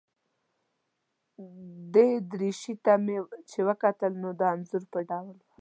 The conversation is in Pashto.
دې درویشي ته مې چې وکتل، نو د انځور په ډول وه.